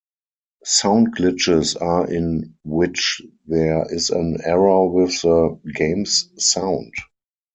Sound glitches are in which there is an error with the game's sound.